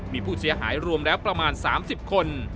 มีผู้เสียหายรวมแล้วประมาณ๓๐คน